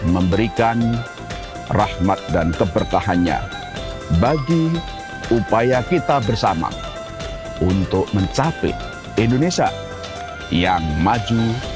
dan berikan rahmat dan keberkahannya bagi upaya kita bersama untuk mencapai indonesia yang maju